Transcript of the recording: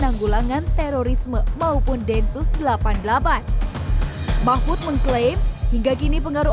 penanggulangan terorisme maupun densus delapan puluh delapan mahfud mengklaim hingga kini pengaruh